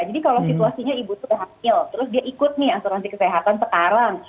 jadi kalau situasinya ibu sudah hamil terus dia ikut nih asuransi kesehatan sekarang